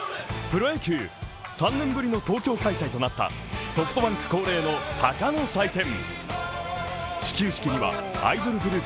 プロ野球、３年ぶりの東京開催となったソフトバンク恒例の鷹の祭典。